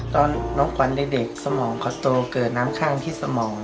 ตอนน้องกวันเด็กสมองเขาโตเกิดน้ำคลั่งที่สมอง